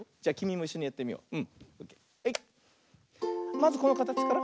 まずこのかたちから。